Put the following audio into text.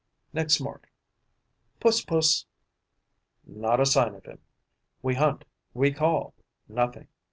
Next morning: 'Puss! Puss!' Not a sign of him! We hunt, we call. Nothing.